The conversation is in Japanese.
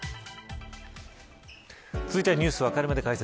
続いてはニュースわかるまで解説。